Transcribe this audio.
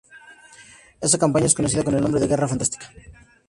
Esta campaña es conocida con el nombre de Guerra Fantástica.